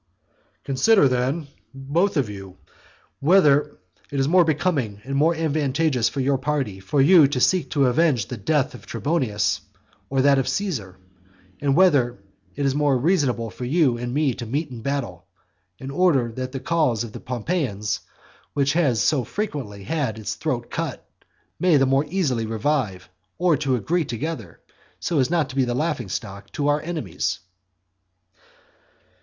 "Consider then, both of you, whether it is more becoming and more advantageous for your party, for you to seek to avenge the death of Trebonius, or that of Caesar; and whether it is more reasonable for you and me to meet in battle, in order that the cause of the Pompeians, which has so frequently had its throat cut, may the more easily revive; or to agree together, so as not to be a laughing stock to our enemies."